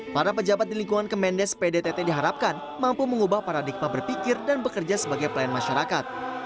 para pejabat di lingkungan kemendes pdtt diharapkan mampu mengubah paradigma berpikir dan bekerja sebagai pelayan masyarakat